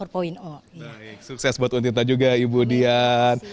baik sukses buat untita juga ibu dian